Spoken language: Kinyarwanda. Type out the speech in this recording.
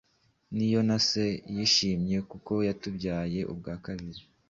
ni yo na se, ishimwe, kuko yatubyaye ubwa kabiri